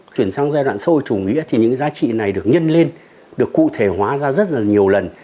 chuyển sang giai đoạn sâu chủ nghĩa thì những cái giá trị này được nhân lên được cụ thể hóa ra rất là nhiều lần